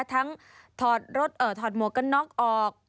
ทั้งถอดหมวกก็น็อกออก